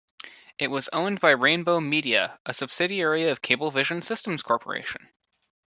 It was owned by Rainbow Media, a subsidiary of Cablevision Systems Corporation.